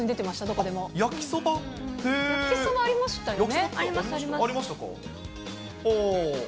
焼きそばありましたよね？